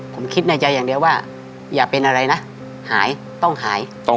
ผมคิดในใจอย่างเดียวว่าอย่าเป็นอะไรนะหายต้องหาย